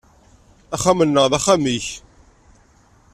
Axxam-nneɣ d axxam-ik.